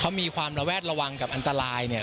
เขามีความระแวดระวังกับอันตรายเนี่ย